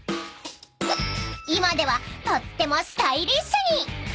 ［今ではとってもスタイリッシュに］